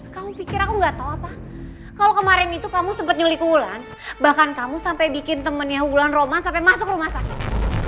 kamu pikir aku nggak tahu apa kalau kemarin itu kamu sempat nyulik wulan bahkan kamu sampai bikin temennya bulan roman sampai masuk rumah sakit